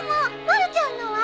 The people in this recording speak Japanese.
まるちゃんのは？